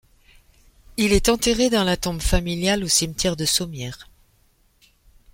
Il est enterré dans la tombe familiale au cimetière de Sommières.